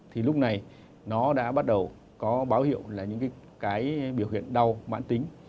thì lúc này nó đã bắt đầu có báo hiệu là những cái biểu hiện đau mãn tính